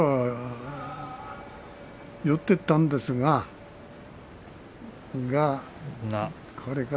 寄っていったんですが、が。